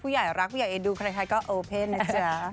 ผู้ใหญ่รักผู้ใหญ่เอดูใครก็โอเป็นนะจ๊ะ